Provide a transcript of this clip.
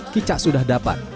kicak sudah dapat